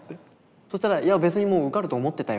そしたら「いや別にもう受かると思ってたよ」